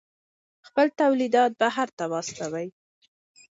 خپل تولیدات بهر ته واستوئ.